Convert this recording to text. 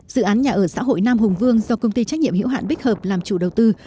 dự án nhà ở xã hội nam hùng vương do công ty trách nhiệm hữu hạn bích hợp làm chủ đầu tư